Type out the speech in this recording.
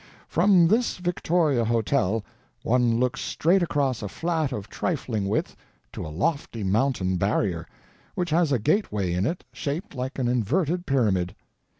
From this Victoria Hotel one looks straight across a flat of trifling width to a lofty mountain barrier, which has a gateway in it shaped like an inverted pyramid.